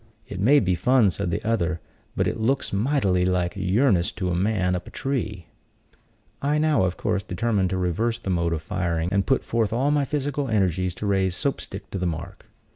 "It may be fun," said the other, "but it looks mightily like yearnest to a man up a tree." I now, of course, determined to reverse the mode of firing, and put forth all my physical energies to raise Soap stick to the mark.